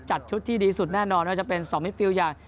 ชุดที่ดีสุดแน่นอนว่าจะเป็นสองมิตรฟิลล์อย่าง